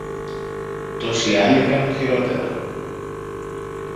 Τόσοι άλλοι κάνουν χειρότερα!